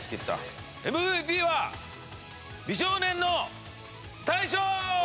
ＭＶＰは美少年の大昇！